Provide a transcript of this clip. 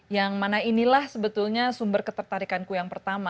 yang mana inilah sebetulnya sumber ketertarikanku yang pertama